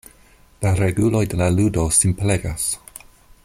La reguloj de la ludo simplegas.